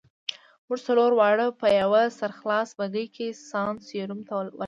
موږ څلور واړه په یوه سرخلاصه بګۍ کې سان سیرو ته ولاړو.